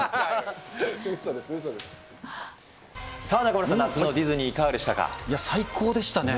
うそです、さあ、中丸さん、夏のディズいや、最高でしたね。